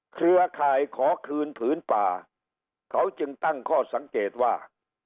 เครือข่ายขอคืนผืนป่าเขาจึงตั้งข้อสังเกตว่า